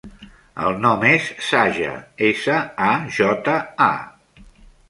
El nom és Saja: essa, a, jota, a.